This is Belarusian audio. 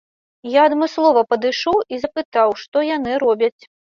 Я адмыслова падышоў і запытаў, што яны робяць.